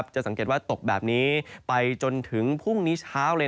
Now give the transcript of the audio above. จะสังเกตว่าตกแบบนี้ไปจนถึงพรุ่งนี้เช้าเลย